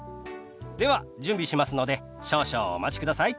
では準備しますので少々お待ちください。